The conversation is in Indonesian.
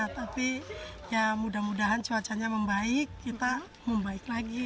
tapi ya mudah mudahan cuacanya membaik kita membaik lagi